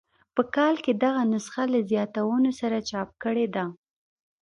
په کال کې دغه نسخه له زیاتونو سره چاپ کړې ده.